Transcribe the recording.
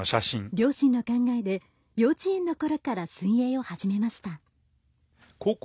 両親の考えで幼稚園のころから水泳を始めました。